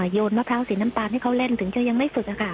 โยนมะพร้าวสีน้ำตาลให้เขาเล่นถึงจะยังไม่ฝึก